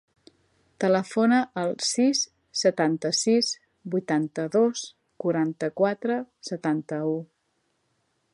Telefona al sis, setanta-sis, vuitanta-dos, quaranta-quatre, setanta-u.